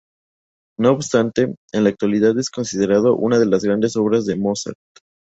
No obstante, en la actualidad es considerado una de las grandes obras de Mozart.